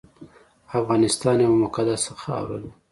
افغانستان یوه مقدسه خاوره ده